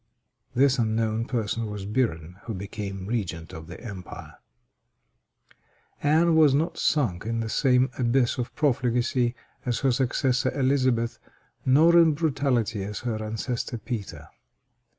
This unknown person was Biren, who became regent of the empire. Anne was not sunk in the same abyss of profligacy as her successor Elizabeth, nor in brutality as her ancestor Peter.